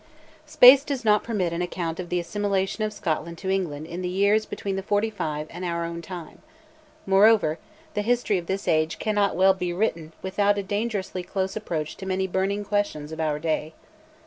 Space does not permit an account of the assimilation of Scotland to England in the years between the Forty five and our own time: moreover, the history of this age cannot well be written without a dangerously close approach to many "burning questions" of our day.